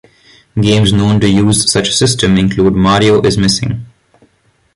Games known to use such a system include Mario Is Missing!